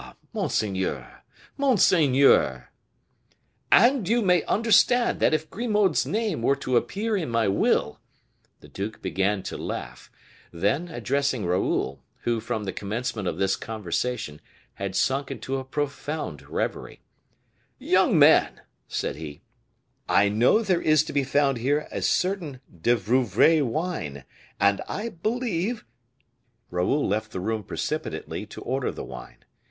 monseigneur! monseigneur!" "And you may understand that if Grimaud's name were to appear in my will " The duke began to laugh; then addressing Raoul, who, from the commencement of this conversation, had sunk into a profound reverie, "Young man," said he, "I know there is to be found here a certain De Vouvray wine, and I believe " Raoul left the room precipitately to order the wine.